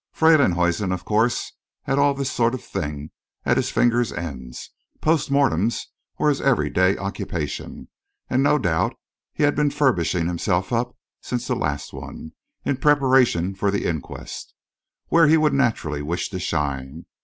Freylinghuisen, of course, had all this sort of thing at his fingers' ends post mortems were his every day occupation, and no doubt he had been furbishing himself up, since this last one, in preparation for the inquest, where he would naturally wish to shine.